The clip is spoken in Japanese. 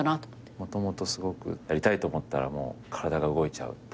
もともとすごくやりたいと思ったら体が動いちゃうタイプですね。